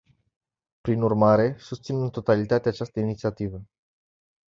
Prin urmare, susțin în totalitate această inițiativă.